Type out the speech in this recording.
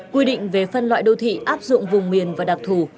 quy định về phân loại đô thị áp dụng vùng miền và đặc thù